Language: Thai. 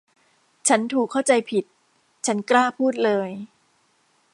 ฉันถูกเข้าใจผิด ฉันกล้าพูดเลย